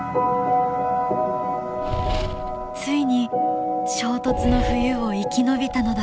ついに衝突の冬を生き延びたのだ。